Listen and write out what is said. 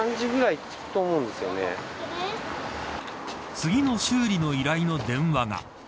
次の修理の依頼の電話が。